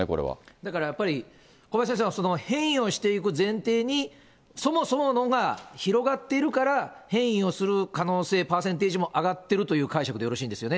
だからやっぱり、小林先生は、変異をしていく前提に、そもそものが広がっているから、変異をする可能性、パーセンテージも上がってるという解釈でよろしいんですよね？